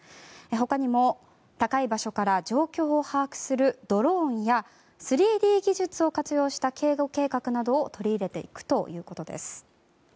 他にも、高い場所から状況を把握するドローンや３Ｄ技術を活用した警護計画などを取り入れていくということです。